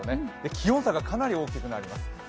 気温差がかなり大きくなります。